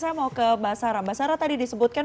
saya mau ke mbak sarah mbak sarah tadi disebutkan